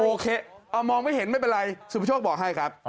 โอเคมองไม่เห็นไม่เป็นไรสุประโชคบอกให้ครับ